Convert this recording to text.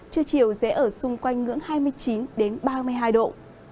trưa chiều sẽ ở xung quanh ngưỡng hai mươi chín đến ba mươi hai độ